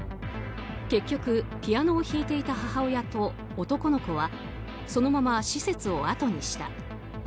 結局、ピアノを弾いていた母親と男の子はそのまま施設をあとにした。